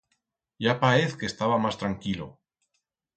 Ya paez que estaba mas tranquilo.